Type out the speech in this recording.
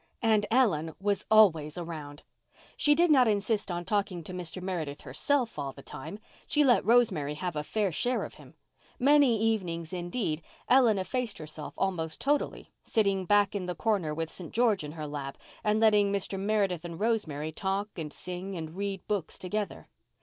And Ellen was always around. She did not insist on talking to Mr. Meredith herself all the time. She let Rosemary have a fair share of him. Many evenings, indeed, Ellen effaced herself almost totally, sitting back in the corner with St. George in her lap, and letting Mr. Meredith and Rosemary talk and sing and read books together.